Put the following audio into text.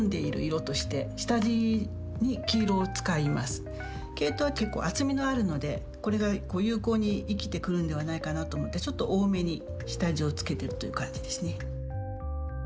植物などはケイトウは結構厚みがあるのでこれが有効に生きてくるんではないかなと思ってちょっと多めに下地をつけてるという感じですね。